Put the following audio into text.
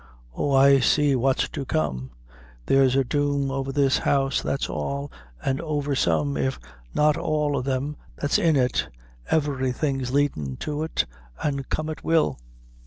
"Oh, I see what's to come! There's a doom over this house, that's all, an' over some, if not all o' them that's in it. Everything's leadin' to it; an' come it will."